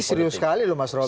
ini serius sekali loh mas romy